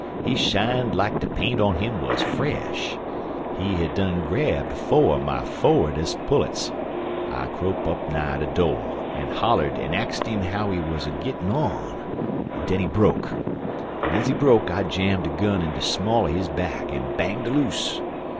He shined like de paint on 'im was fresh. He hed done grabbed fo' er my forwardes' pullets. I crope up nigh de do', an' hollered an' axed 'im how he wuz a gittin' on, an' den he broke, an' ez he broke I jammed de gun in de small er his back and banged aloose.